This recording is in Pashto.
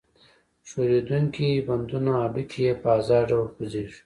ښورېدونکي بندونه هډوکي یې په آزاد ډول خوځېږي.